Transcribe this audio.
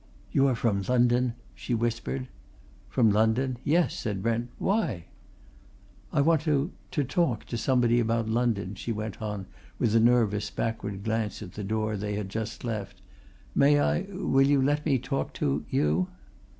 "You are from London?" she whispered. "From London? yes," said Brent. "Why?" "I want to to talk to somebody about London," she went on, with a nervous, backward glance at the door they had just left. "May I will you let me talk to you?"